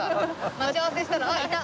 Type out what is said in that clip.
待ち合わせしたらあっいた！